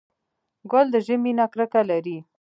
ګل د ژمي نه کرکه لري.